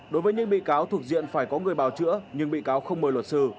đối với những bị cáo thuộc diện phải có người bảo chữa nhưng bị cáo không mời luật sư